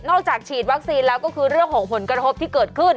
ฉีดวัคซีนแล้วก็คือเรื่องของผลกระทบที่เกิดขึ้น